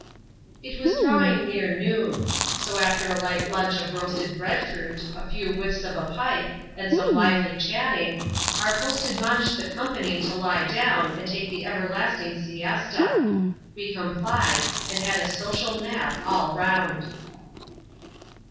It was drawing near noon ; so after a light lunch of roasted bread fruit, a few wiffs of a pipe, and some lively chatting, our host admonished the company to lie down, and take the ever* lasting siesta. We complied ; And had a social nap all round.